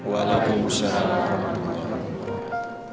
waalaikumsalam warahmatullahi wabarakatuh